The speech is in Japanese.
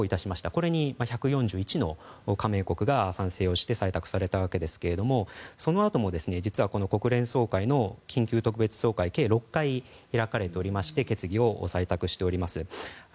これに１４１の加盟国が賛成をして採択されたわけですけどそのあとも実は国連総会の緊急特別総会は計６回、開かれておりまして決議を採択しております。